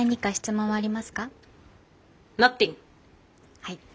はい。